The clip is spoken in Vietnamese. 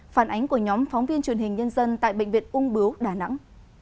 phản ánh của nhóm phóng viên truyền hình nhân dân tại bệnh viện ung bướu đà nẵng